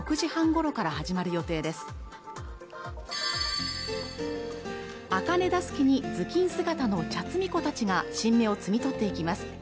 あかねだすきに頭巾姿の茶つみ娘たちが新芽を摘み取っていきます